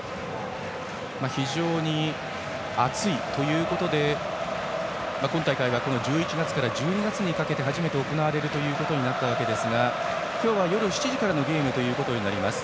非常に暑いということで今大会は１１月から１２月にかけて、初めて行われることになったわけですが今日は夜７時からのゲームということになります。